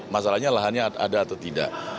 masalahnya lahannya ada atau tidak